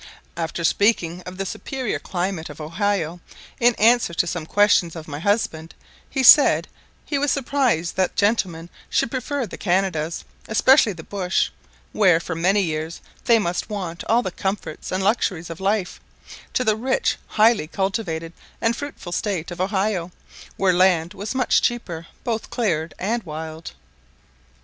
After speaking of the superior climate of Ohio, in answer to some questions of my husband, he said, he was surprised that gentlemen should prefer the Canadas, especially the bush, where for many years they must want all the comforts and luxuries of life, to the rich, highly cultivated, and fruitful state of Ohio, where land was much cheaper, both cleared and wild.